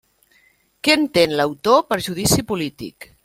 Què entén l'autor per judici polític.